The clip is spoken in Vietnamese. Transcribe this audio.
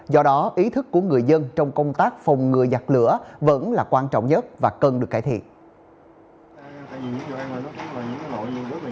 do đó ý thức của người dân trong công tác phòng ngừa giặc lửa vẫn là quan trọng nhất và cần được cải thiện